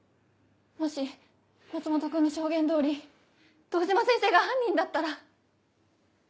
もし松本君の証言通り堂島先生が犯人だったら。